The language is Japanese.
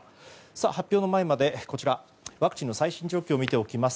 発表の前まで、ワクチンの最新状況を見ておきます。